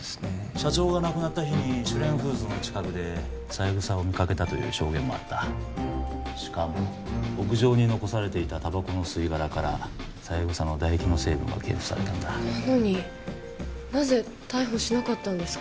社長が亡くなった日に朱蓮フーズの近くで三枝を見かけたという証言もあったしかも屋上に残されていたタバコの吸い殻から三枝の唾液の成分が検出されたんだなのになぜ逮捕しなかったんですか？